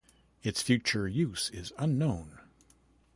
Its future use is unknown.